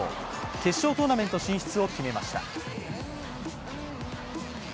決勝トーナメント進出を決めました。